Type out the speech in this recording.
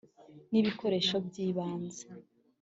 n’ibikoresho by’ibanze